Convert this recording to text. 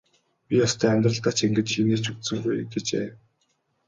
Би ёстой амьдралдаа ч ингэж инээж үзсэнгүй гэжээ.